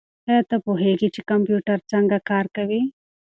ایا ته پوهېږې چې کمپیوټر څنګه کار کوي؟